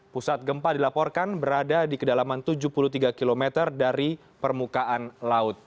pusat gempa dilaporkan berada di kedalaman tujuh puluh tiga km dari permukaan laut